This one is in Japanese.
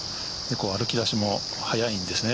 歩き出しも早いんですね。